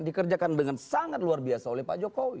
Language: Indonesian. dikerjakan dengan sangat luar biasa oleh pak jokowi